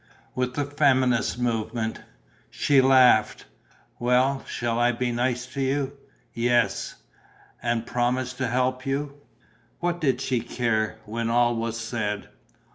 "With the feminist movement." She laughed: "Well, shall I be nice to you?" "Yes." "And promise to help you?" What did she care, when all was said?